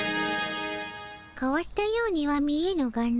かわったようには見えぬがの。